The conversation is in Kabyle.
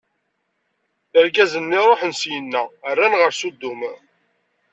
Irgazen-nni ṛuḥen syenna, rran ɣer Sudum.